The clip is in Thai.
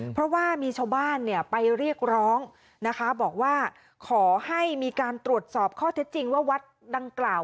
เพราะว่ามีชาวบ้านเนี่ยไปเรียกร้องนะคะบอกว่าขอให้มีการตรวจสอบข้อเท็จจริงว่าวัดดังกล่าว